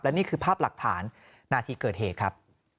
นี่คือภาพหลักฐานนาทีเกิดเหตุครับ